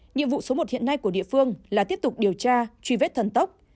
nhiệm vụ số một hiện nay của địa phương là tiếp tục điều tra truy vết thần tốc